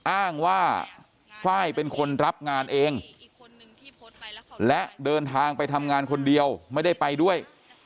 อ้างว่าไฟล์เป็นคนรับงานเองและเดินทางไปทำงานคนเดียวไม่ได้ไปด้วย